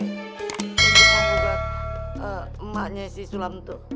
kejelurah juga emaknya si sulam tuh